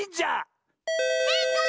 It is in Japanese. せいかい！